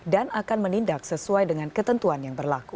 dan akan menindak sesuai dengan ketentuan yang berlaku